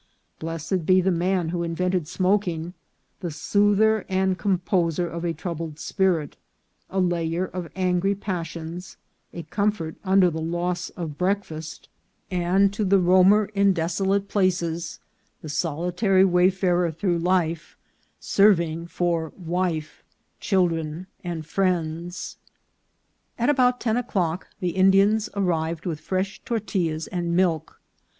Blessed be the man who invented smoking, the soother and com poser of a troubled spirit, allayer of angry passions, a comfort under the loss of breakfast, and to the roamer 304 INCIDENTS OF TRAVEL. in desolate places, the solitary wayfarer through life, serving for " wife, children, and friends." At about ten o'clock the Indians arrived with fresh tortillas and milk.